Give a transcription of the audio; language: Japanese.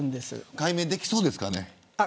解明できそうですかね。